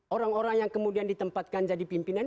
orang orang yang kemudian ditempatkan jadi pimpinan